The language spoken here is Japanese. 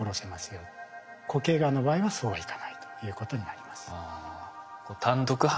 固形がんの場合はそうはいかないということになります。